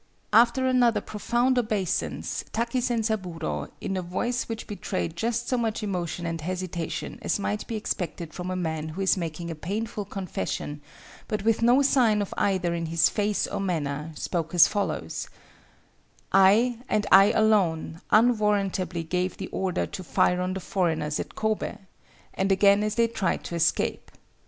] "After another profound obeisance, Taki Zenzaburo, in a voice which betrayed just so much emotion and hesitation as might be expected from a man who is making a painful confession, but with no sign of either in his face or manner, spoke as follows:— 'I, and I alone, unwarrantably gave the order to fire on the foreigners at Kobe, and again as they tried to escape.